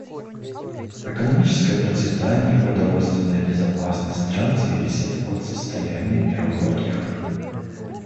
Экономическое процветание и продовольственная безопасность стран зависят от состояния Мирового океана.